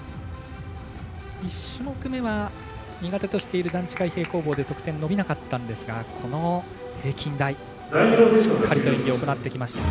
１種目めは苦手としている段違い平行棒で得点伸びなかったんですがこの平均台、しっかりと演技を行ってきました。